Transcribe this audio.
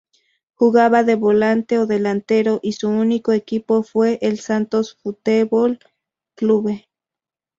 Jugaba de volante o delantero y su único equipo fue el Santos Futebol Clube.